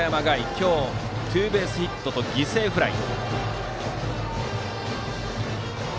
今日、ツーベースヒットと犠牲フライ。